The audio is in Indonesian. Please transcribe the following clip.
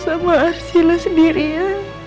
sama arsila sendiri ya